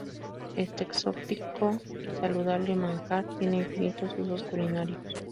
Este exótico y saludable manjar tiene infinitos usos culinarios.